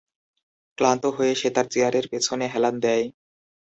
ক্লান্ত হয়ে সে তার চেয়ারের পেছনে হেলান দেয়।